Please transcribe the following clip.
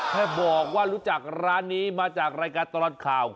แค่บอกว่ารู้จักร้านนี้มาจากรายการตลอดข่าว